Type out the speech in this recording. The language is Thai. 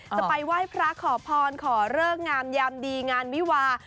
จะไปไหว้พระขอพรขอเลิกงามยามดีงานวิวา